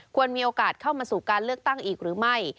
มีโอกาสเข้ามาสู่การเลือกตั้งอีกหรือไม่